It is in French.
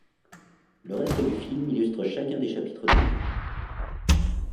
Le reste du film illustre chacun des chapitres du livre.